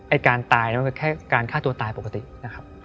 การตายมันก็แค่การฆ่าตัวตายปกตินะครับ